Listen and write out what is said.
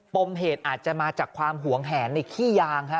ปมเหตุอาจจะมาจากความหวงแหนในขี้ยางฮะ